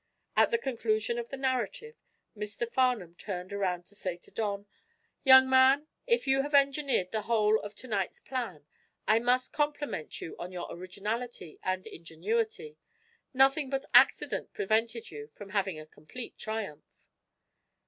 At the conclusion of the narrative, Mr. Farnum turned around to say to Don: "Young man, if you have engineered the whole of to night's plan, I must compliment you on your originality and ingenuity. Nothing but accident prevented you from having a complete triumph."